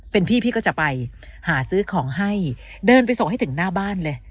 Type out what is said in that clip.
เป็นพี่พี่ก็จะไปหาซื้อของให้เดินไปส่งให้ถึงหน้าบ้านเลย